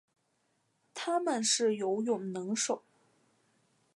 它们是游泳能手。